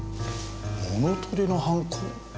物取りの犯行？